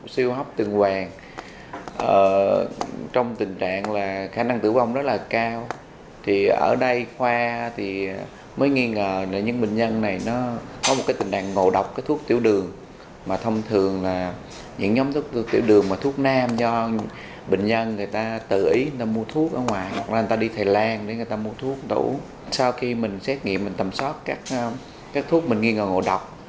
sau khi mình xét nghiệm mình tầm sót các thuốc mình nghi ngờ ngộ độc